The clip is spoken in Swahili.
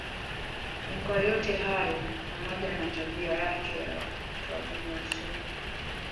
Ni kwa yote hayo pamoja na tabia yake ya kutoamini wasomi